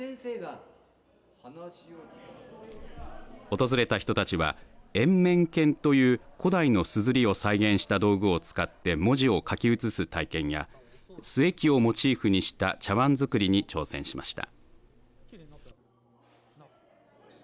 訪れた人たちは円面硯という古代の硯を再現した道具を使って文字を書き写す体験や須恵器をモチーフにした茶わんづくりに挑戦しました。